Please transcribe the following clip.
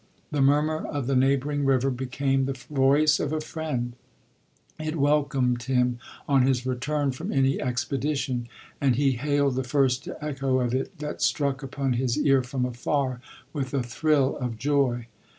The murmur of the neighbouring river became the voice of a friend ; it welcomed him on his return from any expedition ; and he hailed the first echo of it that struck upon his ear from afar, with a thrill of joy.